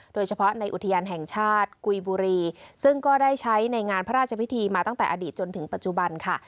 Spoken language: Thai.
โดยเฉพาะในอุทยานแห่งชาติกุยบุรีซึ่งก็ได้ใช้ในงานพระราชพิธีมาตั้งแต่อดีตจนถึงปัจจุบันค่ะ